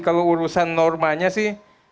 kalau urusan normanya sih